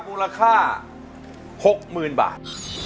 มูลค่า๖๐๐๐บาท